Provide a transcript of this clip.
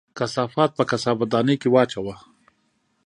کثافات په کثافت دانۍ کې واچوه